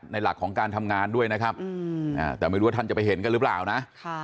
หลักของการทำงานด้วยนะครับแต่ไม่รู้ว่าท่านจะไปเห็นกันหรือเปล่านะ